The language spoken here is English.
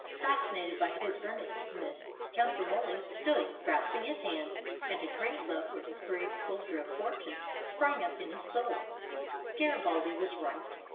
Fascinated by his earnestness, Count Romoli stood, grasping his hand, and a great love for this brave soldier of fortune sprang up in his soul. Garibaldi was right.